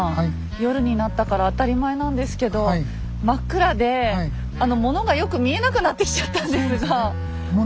夜になったから当たり前なんですけど真っ暗でモノがよく見えなくなってきちゃったんですが。